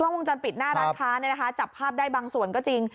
กล้องวงจรปิดหน้าร้านค้าจับภาพได้บางส่วนก็จริง